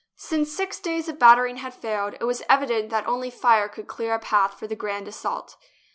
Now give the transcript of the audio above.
Since six days of battering had failed, it was evident that only fire could clear a path for the grand assault.